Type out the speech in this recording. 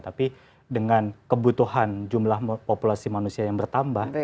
tapi dengan kebutuhan jumlah populasi manusia yang bertambah